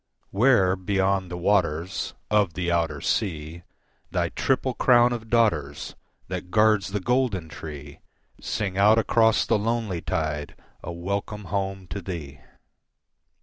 Where, beyond the waters Of the outer sea, Thy triple crown of daughters That guards the golden tree Sing out across the lonely tide A welcome home to thee.